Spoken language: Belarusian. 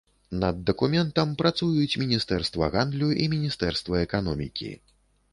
Над дакументам працуюць міністэрства гандлю і міністэрства эканомікі.